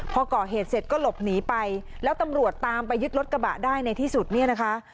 พอก่อเหตุเสร็จก็หลบหนีไปแล้วตำรวจตามไปยึดรถกระบะได้ในที่สุดเนี่ยนะคะ